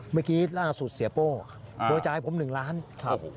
เมื่อกี้ล่าสุดเสียโป้โดยจ่ายให้ผม๑ล้านครับ